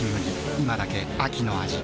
今だけ秋の味